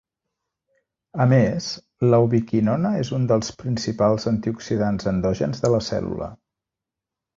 A més, la ubiquinona és un del principals antioxidants endògens de la cèl·lula.